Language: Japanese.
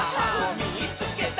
「みいつけた！」。